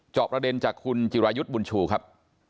ประเด็นจากคุณจิรายุทธ์บุญชูครับ